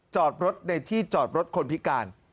จอดรถในที่จอดรถคนพิการ